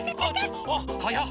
あはやっ！